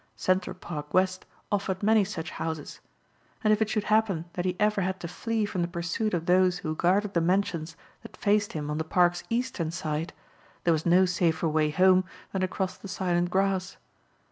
Central Park West offered many such houses. And if it should happen that he ever had to flee from the pursuit of those who guarded the mansions that faced him on the park's eastern side, there was no safer way home than across the silent grass.